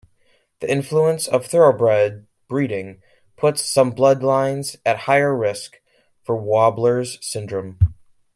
The influence of Thoroughbred breeding puts some bloodlines at higher risk for Wobbler's syndrome.